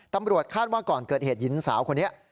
ตำรวจคาดว่าก่อนเกิดเหตุหญิงสาวคนนี้